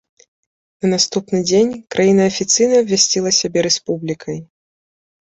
На наступны дзень краіна афіцыйна абвясціла сябе рэспублікай.